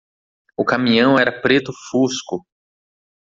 O caminhão era preto fusco.